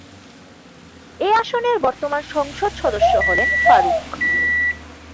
এ আসনের বর্তমান সংসদ সদস্য হলেন ফারুক।